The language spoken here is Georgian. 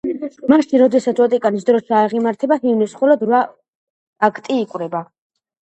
მაშინ როდესაც ვატიკანის დროშა აღიმართება, ჰიმნის მხოლოდ რვა ტაქტი იკვრება.